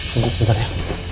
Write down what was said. tunggu sebentar ya